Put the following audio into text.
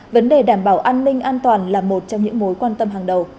vấn đề đảm bảo an ninh an toàn là một trong những mối quan tâm hàng đầu